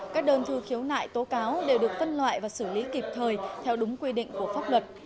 các đơn thư khiếu nại tố cáo đều được tân loại và xử lý kịp thời theo đúng quy định của pháp luật